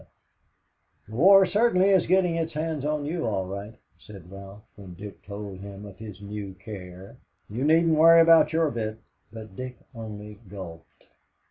"The war certainly is getting its hands on you, all right," said Ralph when Dick told him of his new care. "You needn't worry about your bit." But Dick only gulped.